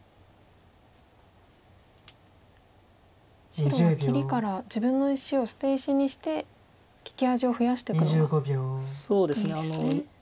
白は切りから自分の石を捨て石にして利き味を増やしていくのがいいんですね。